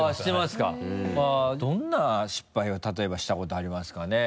どんな失敗を例えばしたことありますかね？